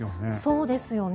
そうですよね。